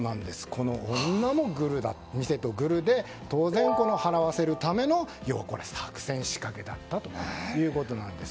この女も店とグルで当然、払わせるための作戦を仕掛けたということです。